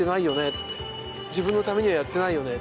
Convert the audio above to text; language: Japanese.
自分のためにはやってないよね